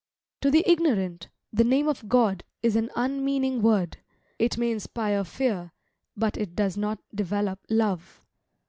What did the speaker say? To the ignorant, the name of God is an unmeaning word; it may inspire fear, but it does not develope love.